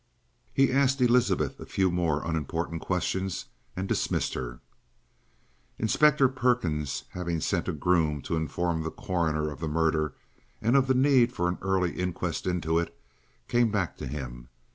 He asked Elizabeth a few more unimportant questions and dismissed her. Inspector Perkins, having sent a groom to inform the coroner of the murder, and of the need for an early inquest into it, came back to him.